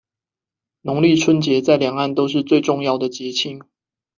農曆春節在兩岸都是最重要的節慶